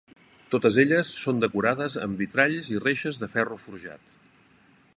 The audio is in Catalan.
Totes elles són decorades amb vitralls i reixes de ferro forjat.